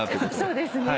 そうですね。